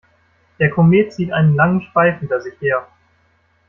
Der Komet zieht einen langen Schweif hinter sich her.